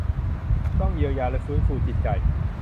ต้องเยียวยาและฟื้นฟูจิตใจ